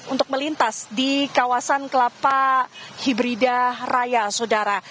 untuk melintas di kawasan kelapa hibrida raya sodara